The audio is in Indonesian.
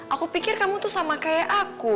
aku pikir kamu tuh sama kayak aku